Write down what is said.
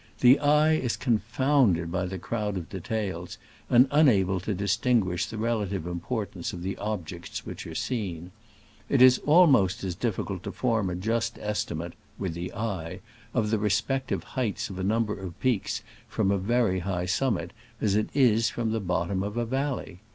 The eye is confounded by the crowd of details, and unable to distinguish the relative importance of the objects which are seen. It is almost as difficult to form a just estimate (with the eye) of the respective heights of a number of peaks from a very high summit as it is from the bottom of a valley.